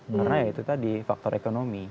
karena ya itu tadi faktor ekonomi